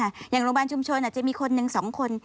อย่างโรงพยาบาลชุมชนอาจจะมีคนหนึ่ง๒คน